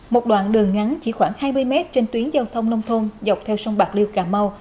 một đoạn đường ngắn chỉ khoảng hai mươi mét trên tuyến giao thông nông thôn dọc theo sông bạc liêu cà mau